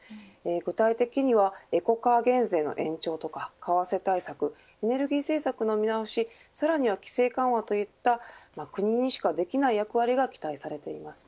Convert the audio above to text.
具体的にはエコカー減税の延長とか為替対策、エネルギー政策の見直し、さらには規制緩和といった国にしかできない役割が期待されています。